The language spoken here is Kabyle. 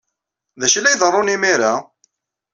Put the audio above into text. D acu ay la iḍerrun imir-a?